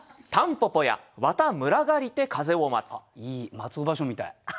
松尾芭蕉みたい。